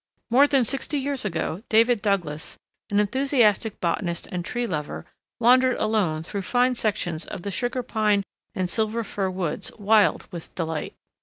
More than sixty years ago David Douglas, an enthusiastic botanist and tree lover, wandered alone through fine sections of the Sugar Pine and Silver Fir woods wild with delight.